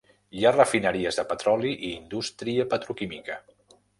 Hi ha refineries de petroli i indústria petroquímica.